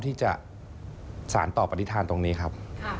ที่จะสารต่อปฏิฐานตรงนี้ครับ